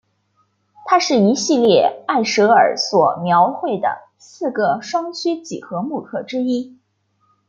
它是一系列埃舍尔所描绘的四个双曲几何木刻之一。